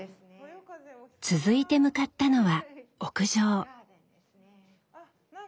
続いて向かったのは屋上。